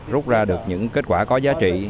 rút ra được những kết quả có giá trị